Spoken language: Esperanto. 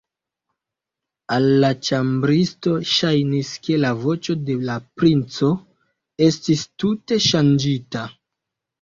Al la ĉambristo ŝajnis, ke la voĉo de la princo estis tute ŝanĝita.